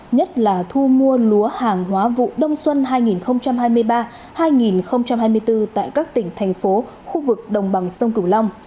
nhất là thu mua lúa hàng hóa vụ đông xuân hai nghìn hai mươi ba hai nghìn hai mươi bốn tại các tỉnh thành phố khu vực đồng bằng sông cửu long